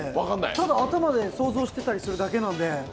ただ頭で想像してたりするだけなんで。